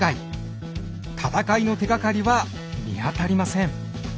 戦いの手がかりは見当たりません。